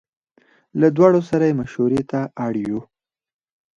له دواړو سره یې مشوړې ته اړ یو.